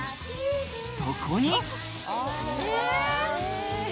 そこに。